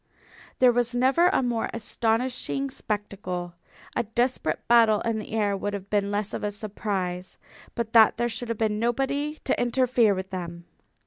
There was never a more astonishing spectacle. A desperate battle in the air would have been less of a surprise. But that there should have been nobody to interfere with them!